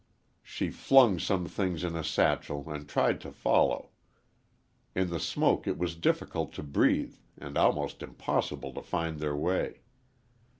She flung some things in a satchel and tried to follow. In the smoke it was difficult to breathe and almost impossible to find their way.